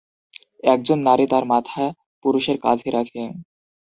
একজন নারী তার মাথা পুরুষের কাঁধে রাখে।